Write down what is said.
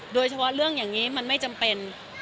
โดยเฉพาะเรื่องอย่างนี้มันไม่จำเป็น